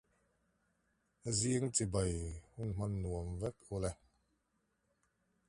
Velasco Ibarra once said, Give me a balcony and I will become president.